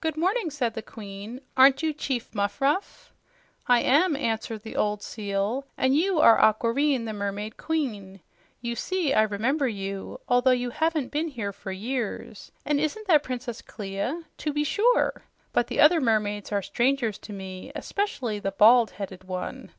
"Good morning," said the Queen. "Aren't you Chief Muffruff?" "I am," answered the old seal. "And you are Aquareine, the mermaid queen. You see, I remember you, although you haven't been here for years. And isn't that Princess Clia? To be sure! But the other mermaids are strangers to me, especially the bald headed one."